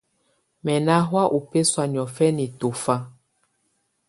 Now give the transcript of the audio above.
Mɛ ná hɔ̀á ú bɛsɔ̀á nɪɔ̀fɛná tɔ̀fa.